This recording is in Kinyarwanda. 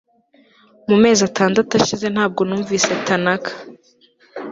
mu mezi atandatu ashize ntabwo numvise tanaka